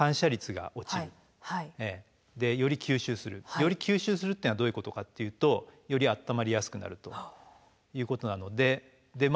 より吸収するっていうのはどういうことかっていうとより温まりやすくなるということなのでで更に解ける。